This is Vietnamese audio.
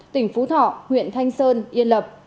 tỉnh phú thọ huyện thanh sơn yên lập